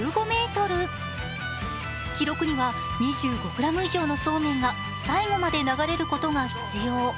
記録には２５ｇ以上のそうめんが最後まで流れることが必要。